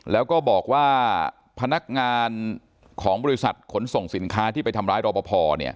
แล้วก็บอกว่าพนักงานของบริษัทขนส่งสินค้าที่ไปทำร้ายรอปภ